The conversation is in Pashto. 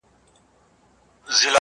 دا احسان دي لا پر ځان نه دی منلی،